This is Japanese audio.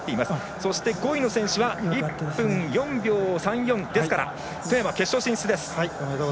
そして５位の選手は１分４秒３４ですから外山は決勝進出です！